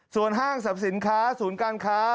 ส่วนห้างสรรพสินค้าศูนย์การค้า